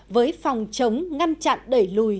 với phòng chống ngăn chặn đẩy lùi